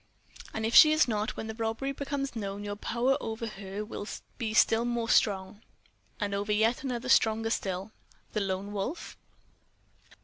"And if she is not, when the robbery becomes known, your power over her will be still more strong?" "And over yet another stronger still." "The Lone Wolf?"